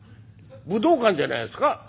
武道館じゃないですか？」。